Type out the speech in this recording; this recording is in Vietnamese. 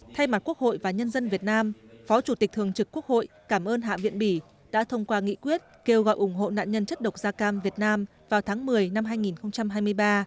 thay mặt quốc hội và nhân dân việt nam phó chủ tịch thường trực quốc hội cảm ơn hạ viện bỉ đã thông qua nghị quyết kêu gọi ủng hộ nạn nhân chất độc da cam việt nam vào tháng một mươi năm hai nghìn hai mươi ba